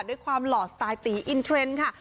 ด้วยความหล่อสไตล์ตีอินเทรนด์ค่ะ